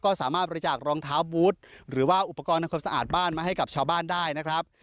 ก็สามารถบริจาครองเท้าบูธหรือว่าอุปกรณ์ทำความสะอาดบ้านมาให้กับชาวบ้านได้นะครับ